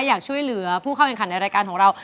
อยากช่วยเหลือผู้เข้าแข่งขันในรายการของเรา